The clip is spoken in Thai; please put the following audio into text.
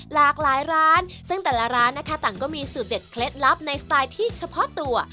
หลากหลายร้านซึ่งแต่ละร้านนะคะต่างก็มีสูตรเด็ดเคล็ดลับในสไตล์ที่เฉพาะตัว